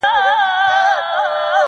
• ډېر مو په لیلا پسي تڼاکي سولولي دي -